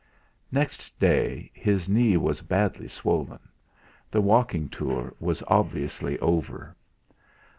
Next day his knee was badly swollen; the walking tour was obviously over.